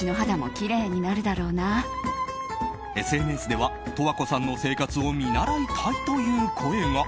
ＳＮＳでは十和子さんの生活を見習いたいという声が。